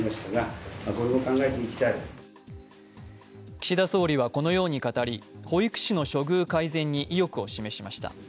岸田総理はこのように語り、保育士の処遇改善に意欲を示しました。